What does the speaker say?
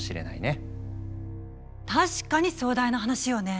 確かに壮大な話よね。